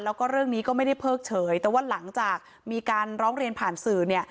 แล้วก็เรื่องนี้ก็ไม่ได้เพิกเฉยแต่ว่าหลังจากมีการร้องเรียนผ่านสื่อเนี่ย